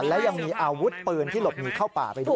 และยังมีอาวุธปืนที่หลบหนีเข้าป่าไปด้วย